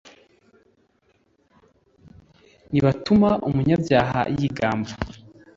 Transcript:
ntibatuma umunyabyaha yigamba